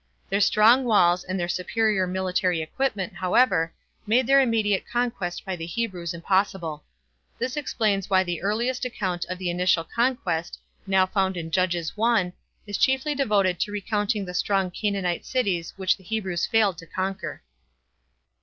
Their strong walls and their superior military equipment, however, made their immediate conquest by the Hebrews impossible. This explains why the earliest account of the initial conquest, now found in Judges 1, is chiefly devoted to recounting the strong Canaanite cities which the Hebrews failed to conquer.